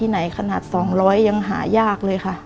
ไหนขนาด๒๐๐ยังหายากเลยค่ะ